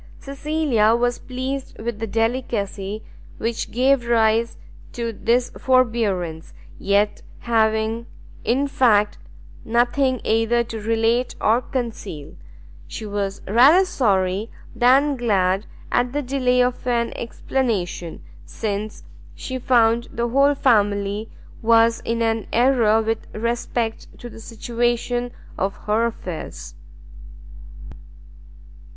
Cecilia was pleased with the delicacy which gave rise to this forbearance, yet having in fact nothing either to relate or conceal, she was rather sorry than glad at the delay of an explanation, since she found the whole family was in an error with respect to the situation of her affairs.